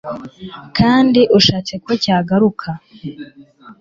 kandi ushatse ko cyagaruka